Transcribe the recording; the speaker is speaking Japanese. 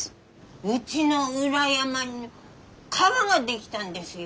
うちの裏山に川が出来たんですよ。